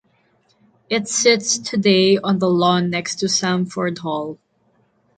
It sits today on the lawn next to Samford Hall.